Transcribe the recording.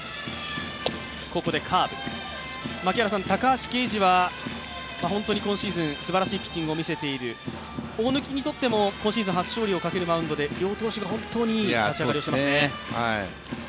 高橋奎二は今シーズンすばらしいピッチングを見せている、大貫にとっても今シーズン初勝利をかけるマウンドで両投手が、本当にいい立ち上がりをしていますね。